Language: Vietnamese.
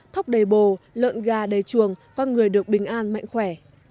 thóc đầy bồ lợn gà đầy chuồng con người được bình an mạnh khỏe